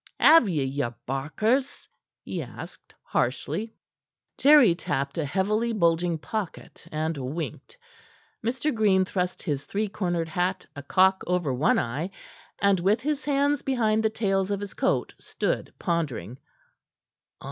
"Have ye your barkers?" he asked harshly. Jerry tapped a heavily bulging pocket, and winked. Mr. Green thrust his three cornered hat a cock over one eye, and with his hands behind the tails of his coat, stood pondering.